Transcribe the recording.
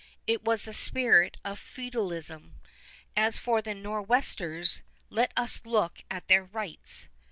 It was the spirit of feudalism. As for the Nor'westers, let us look at their rights.